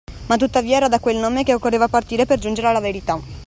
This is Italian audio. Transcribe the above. Ma tuttavia era da quel nome che occorreva partire per giungere alla verità.